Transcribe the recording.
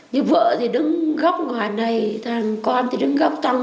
như vợ thì đứng góc ngoài này thằng con thì đứng góc trong